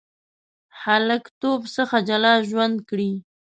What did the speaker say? هلکتوب څخه جلا ژوند کړی.